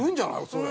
それ。